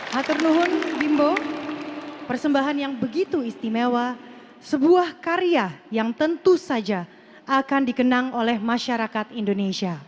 hater luhun bimbo persembahan yang begitu istimewa sebuah karya yang tentu saja akan dikenang oleh masyarakat indonesia